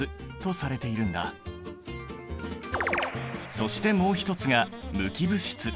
そしてもう一つが無機物質。